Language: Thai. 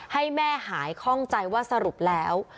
ให้แม่หายคล่องใจว่าสรุปแล้ว